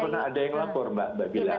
pernah pernah ada yang lapor mbak bila